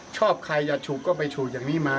ชอบใครอยากถูกก็ไปถูกอย่างนี้มา